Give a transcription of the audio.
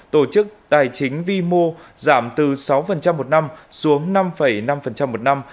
tổ chức tài chính vi mô giảm từ sáu một năm xuống năm năm một năm